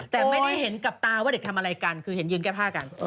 แต่ไม่ได้เห็นกับตาว่าเด็กทำอะไรกันคือเห็นยืนแก้ผ้ากัน